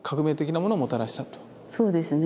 そうですね。